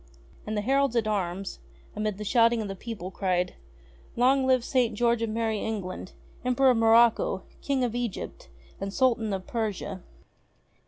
And the Heralds at arms, amid the shouting of the people, cried : "Long live St. George of Merrie England, Emperor of Morocco, King of Egypt, and Sultan of Persia